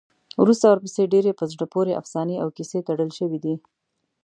وروسته ورپسې ډېرې په زړه پورې افسانې او کیسې تړل شوي دي.